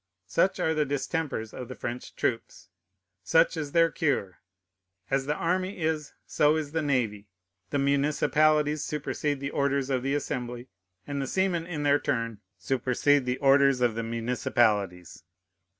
Such are the distempers of the French troops! Such is their cure! As the army is, so is the navy. The municipalities supersede the orders of the Assembly, and the seamen in their turn supersede the orders of the municipalities.